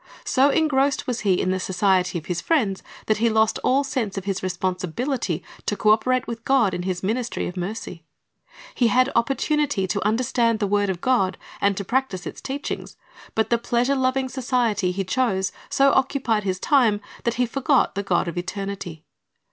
So engrossed was he in the society of his friends that he lost all sense of his responsibility to co operate with God in His ministry of mercy. He had opportunity to understand the word of God, and to practise its teachings; but the pleasure loving society he chose so occupied his time that he forgot the God of eternity.